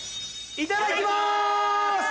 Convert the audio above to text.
いただきます！